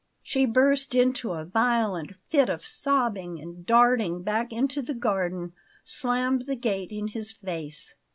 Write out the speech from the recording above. She burst into a violent fit of sobbing, and, darting back into the garden, slammed the gate in his face.